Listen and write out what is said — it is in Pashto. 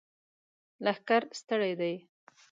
لښکر ستړی دی!